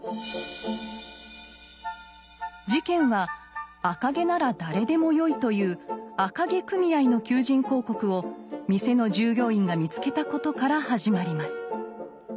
事件は赤毛なら誰でもよいという赤毛組合の求人広告を店の従業員が見つけたことから始まります。